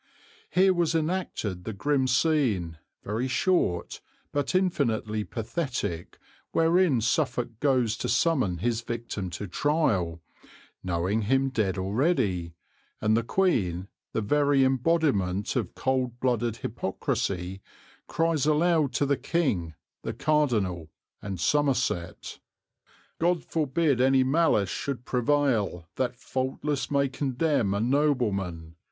Here was enacted the grim scene, very short, but infinitely pathetic, wherein Suffolk goes to summon his victim to trial, knowing him dead already, and the Queen, the very embodiment of cold blooded hypocrisy, cries aloud to the King, the Cardinal, and Somerset: God forbid any malice should prevail, That faultless may condemn a nobleman!